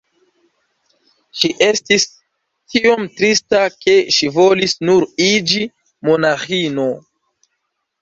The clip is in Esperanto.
Ŝi estis tiom trista ke ŝi volis nur iĝi monaĥino.